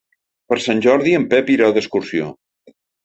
Per Sant Jordi en Pep irà d'excursió.